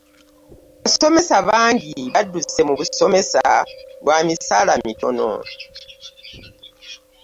Abasomesa bangi badduse munbusomesa lwa misaala mitono.